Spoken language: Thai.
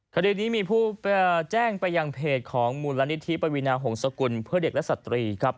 คดีนี้มีผู้แจ้งไปยังเพจของมูลนิธิปวีนาหงษกุลเพื่อเด็กและสตรีครับ